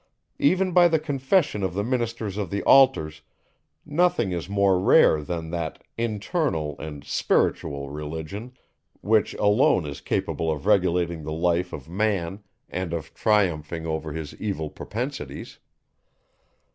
Even by the confession of the ministers of the altars, nothing is more rare than that internal and spiritual Religion, which alone is capable of regulating the life of man and of triumphing over his evil propensities.